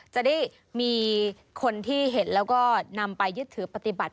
จะได้มีคนที่เห็นแล้วก็นำไปยึดถือปฏิบัติ